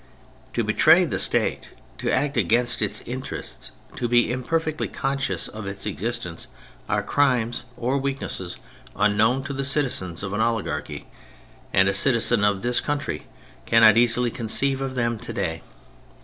To betray the State, to act against its interests, to be imperfectly conscious of its existence, are crimes or weak nesses unknown to the citizens of an oligarchy, and a citizen of this country cannot easily conceive of them to day.